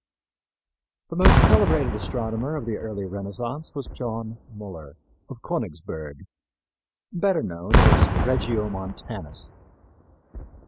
The most celebrated astronomer of the early Renaissance was John Müller, of Königsburg, better known as Regiomontanus.